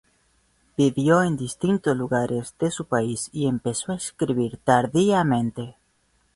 Vivió en distintos lugares de su país y empezó a escribir tardíamente.